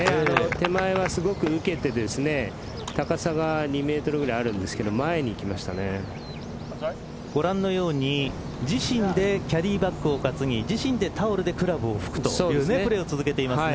手前はすごく受けて高さが２メートルぐらいあるんですけどご覧のように自身でキャリーバックを担ぎ自身でタオルでクラブを拭くというプレーを続けていますね。